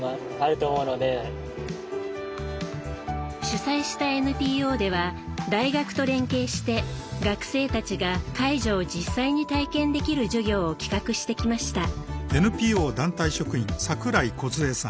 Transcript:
主催したＮＰＯでは大学と連携して学生たちが介助を実際に体験できる授業を企画してきました。